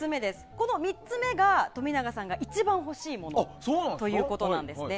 この３つ目が、冨永さんが一番欲しいものということなんですね。